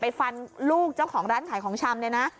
ไปฟันลูกเจ้าของร้านขายของชำได้นะ